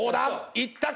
いったか？